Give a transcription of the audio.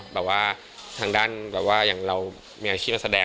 แบบว่าทางด้านแบบว่าอย่างเรามีอาชีพนักแสดง